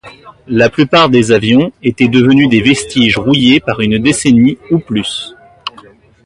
La plupart des avions étaient devenus des vestiges rouillés par une décennie ou plus.